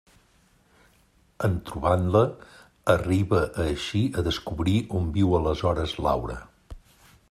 En trobant-la, arriba així a descobrir on viu aleshores Laura.